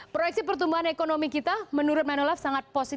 proyeksi pertumbuhan ekonomi kita menurut manulife sangat baik